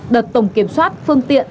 đợt tổng kiểm soát phương tiện